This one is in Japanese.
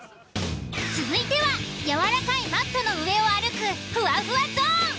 続いてはやわらかいマットの上を歩くふわふわゾーン。